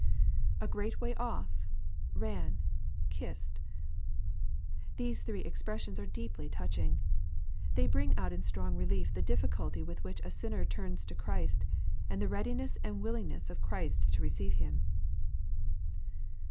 [A great way off..,ran...kissed.] These three expressions are deeply touching. They bring out in strong relief the difficulty with which a sinner turns to Christ, and the readiness and will ingness of Christ to receive him.